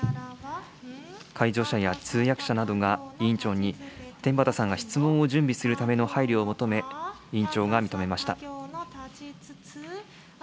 介助者や通訳者などが、委員長に、天畠さんが質問を準備するための配慮を求め、委員長が認めました。